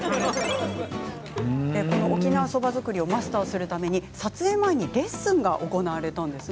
沖縄そば作りをマスターするため撮影前にレッスンが行われました。